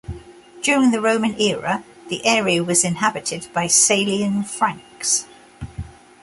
During the Roman era, the area was inhabited by Salian Franks.